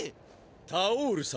タオール様